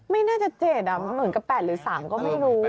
ไม่น่าจะ๗เหมือนกับ๘หรือ๓ก็ไม่รู้